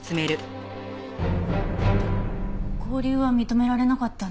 勾留は認められなかったんですね。